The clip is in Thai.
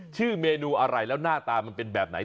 ชื่อเมนูอะไรแล้วหน้าตามันเป็นแบบไหน